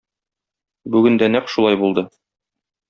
Бүген дә нәкъ шулай булды.